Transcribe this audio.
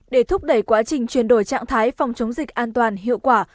để thúc đẩy quá trình chuyển đổi trạng thái phòng chống dịch an toàn hiệu quả